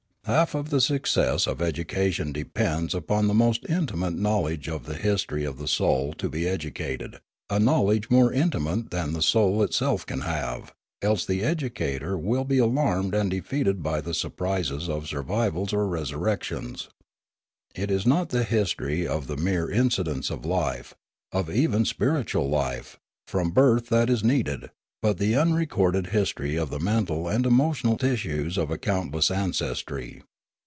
Half of the success of education depends upon the most intimate knowledge of the history of the soul to be educated, a knowledge more intimate than the soul itself can have; else the educator will be alarmed and defeated by the surprises of survivals or resurrections. It is not the history of the mere incidents of life, of even spiritual life, from birth that is needed, but the unrecorded history of the mental and emotional tissues of a countless ancestry.